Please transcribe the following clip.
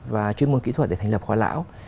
và chuyên môn kỹ thuật để thành lập khoa lão